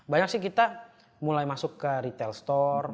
banyak sih kita mulai masuk ke retail store